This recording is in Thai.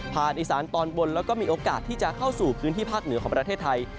อีสานตอนบนแล้วก็มีโอกาสที่จะเข้าสู่พื้นที่ภาคเหนือของประเทศไทย